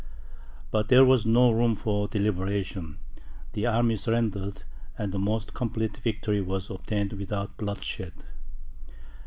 But there was no room for deliberation. The army surrendered, and the most complete victory was obtained without bloodshed.